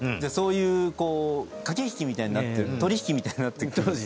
そういう駆け引きみたいになって取引みたいになってくんですね。